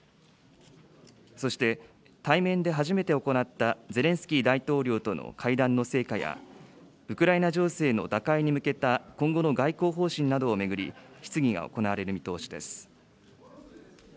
そして、対面で初めて行ったゼレンスキー大統領との会談の成果や、ウクライナ情勢の打開に向けた今後の外交方針などを巡り、質疑が行われる見通しです。